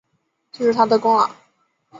这也是他的功劳